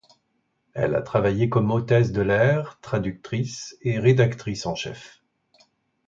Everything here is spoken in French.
Elle a travaillé comme hôtesse de l'air, traductrice, et rédactrice en chef.